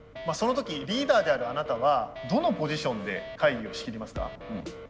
その時リーダーであるあなたはどのポジションで会議を仕切りますか？